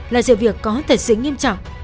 là sự việc có thật sự nghiêm trọng